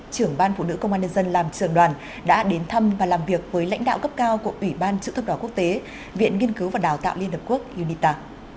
trưởng ban phụ nữ công an nhân dân làm trường đoàn đã đến thăm và làm việc với lãnh đạo cấp cao của ủy ban chữ thập đỏ quốc tế viện nghiên cứu và đào tạo liên hợp quốc unita